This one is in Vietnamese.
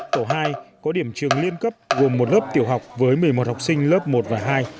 tổ hai có điểm trường liên cấp gồm một lớp tiểu học với một mươi một học sinh lớp một và hai